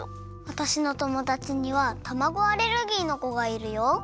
わたしのともだちにはたまごアレルギーのこがいるよ。